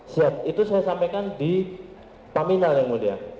siap itu saya sampaikan di paminal yang mulia